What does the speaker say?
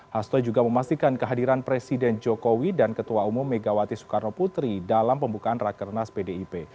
hasto juga memastikan kehadiran presiden jokowi dan ketua umum megawati soekarno putri dalam pembukaan rakernas pdip